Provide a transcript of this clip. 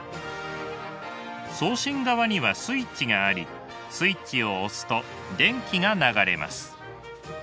送信側にはスイッチがありスイッチを押すと電気が流れます。